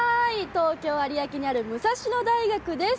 東京・有明にある武蔵野大学です。